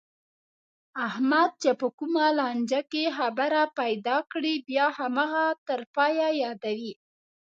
احمد چې په کومه لانجه کې خبره پیدا کړي، بیا هماغه تر پایه یادوي.